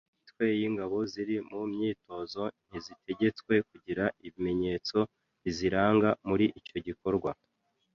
Imitwe y’ingabo ziri mu myitozo ntizitegetswe kugira ibimenyetso biziranga muri icyo gikorwa